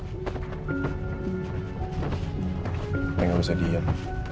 saya enggak bisa diam